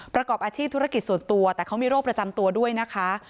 ประกอบอาชีพธุรกิจส่วนตัวแต่เขามีโรคประจำตัวด้วยนะคะ